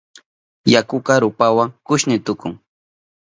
Yakuka rupawa kushni tukun.